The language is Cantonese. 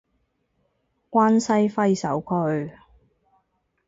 關西揮手區